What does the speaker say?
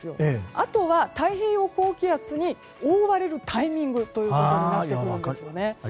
あとは太平洋高気圧に覆われるタイミングということです。